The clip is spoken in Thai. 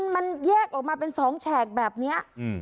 มันแยกออกมาเป็น๒แฉกแบบนี้